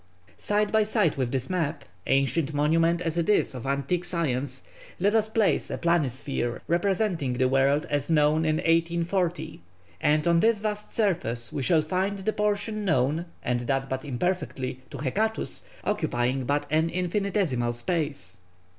Side by side with this map, ancient monument as it is of antique science, let us place a planisphere representing the world as known in 1840, and on this vast surface we shall find the portion known, and that but imperfectly to Hecatæus, occupying but an infinitesimal space.